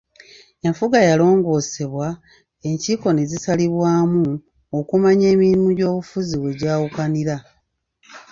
Enfuga yalongoosebwa, enkiiko ne zisalibwamu okumanya emirimu gy'obufuzi we gyawukanira.